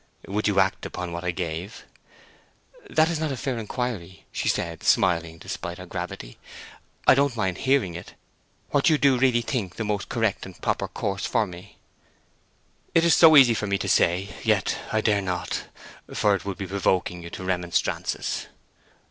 "Would you act upon what I gave?" "That's not a fair inquiry," said she, smiling despite her gravity. "I don't mind hearing it—what you do really think the most correct and proper course for me." "It is so easy for me to say, and yet I dare not, for it would be provoking you to remonstrances."